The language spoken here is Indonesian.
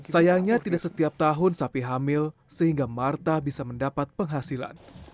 sayangnya tidak setiap tahun sapi hamil sehingga marta bisa mendapat penghasilan